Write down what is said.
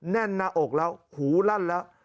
แน่นหน้าอกแล้วหูลั่นแล้ว